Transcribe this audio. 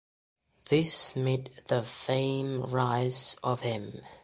This made the fame rise of him.